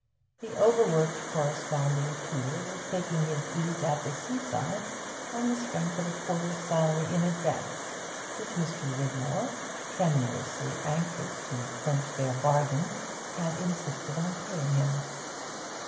The overworked corresponding tutor was taking his ease at the seaside on the strength of a quarter's salary in advance, which Mr. Wigmore, tremulously anxious to clinch their bargain, had insisted on paying him.